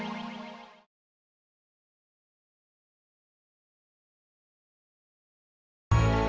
tunggu breast boleh kan